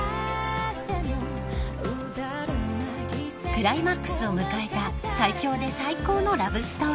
［クライマックスを迎えた最強で最高のラブストーリー］